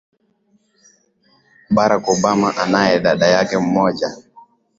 Barack Obama anaye dada yake mmoja